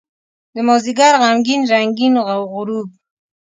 دمازدیګر غمګین رنګین غروب